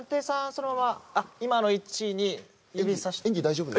そのまま今の位置に指さして演技演技大丈夫ですか？